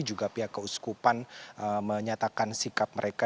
juga pihak keuskupan menyatakan sikap mereka